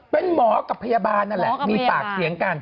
เป็นหมอกับพยาบานนั้นแหละหมอกับพยาบานมีปากเขียงกัน